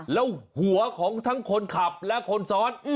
แล้วหัวของทั้งคนขับและคนซ้อน